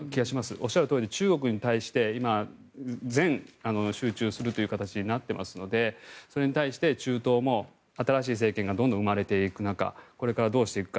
おっしゃるとおり、中国に対して全集中する形になっていますのでそれに対して中東も新しい政権がどんどん生まれていく中これからどうしていくか。